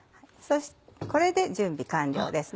これで準備完了ですね。